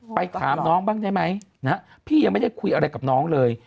ไปถามน้องบ้างได้ไหมนะฮะพี่ยังไม่ได้คุยอะไรกับน้องเลย